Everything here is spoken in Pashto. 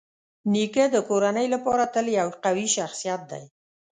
نیکه د کورنۍ لپاره تل یو قوي شخصيت دی.